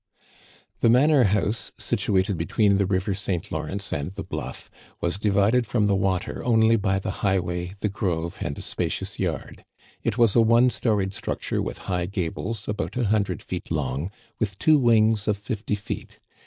The manor house, situated between the river St. Lawrence and the bluff, was divided from the water only by the highway, the grove, and a spacious yard. It was • Digitized by VjOOQIC lyHABERVILLE MANOR HOUSE, iqi a one storied structure with high gables, about a hun dred feet long, with two wings of fifty feet.